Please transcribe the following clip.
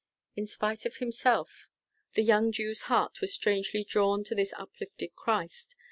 In spite of himself, the young Jew's heart was strangely drawn to this uplifted Christ.